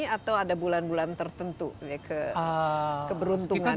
atau ada bulan bulan tertentu keberuntungan